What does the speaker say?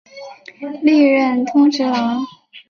历任通直郎。